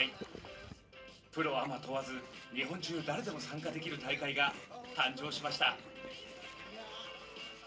プロアマ問わず日本中誰でも参加できる大会が誕生しました。